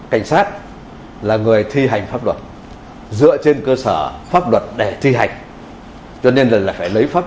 cảnh sát là người thi hành pháp luật dựa trên cơ sở pháp luật để thi hành cho nên là phải lấy pháp